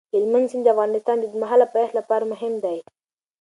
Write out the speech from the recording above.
هلمند سیند د افغانستان د اوږدمهاله پایښت لپاره مهم دی.